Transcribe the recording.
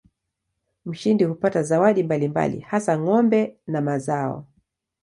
Mshindi hupata zawadi mbalimbali hasa ng'ombe na mazao.